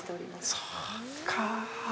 そうかぁ。